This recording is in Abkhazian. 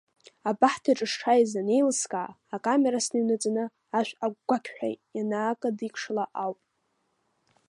Абахҭаҿы сшааигаз анеилыскаа, акамера сныҩнаҵаны, ашә агәақьҳәа ианаакыдикшала ауп.